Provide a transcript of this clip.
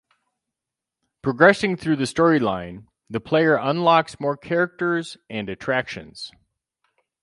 Progressing through the storyline the player unlocks more characters and attractions.